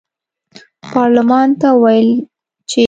پارلمان ته وویل چې